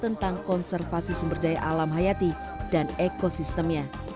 tentang konservasi sumber daya alam hayati dan ekosistemnya